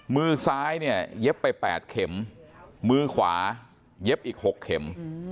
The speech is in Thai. มือซ้ายเนี่ยเย็บไป๘เข็มมือขวาเย็บอีก๖เข็ม